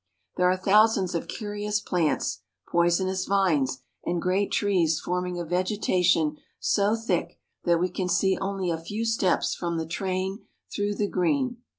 There are thousands of curious plants, poisonous vines, and great trees forming a vegetation so thick that we can see only a few steps from the train through the green.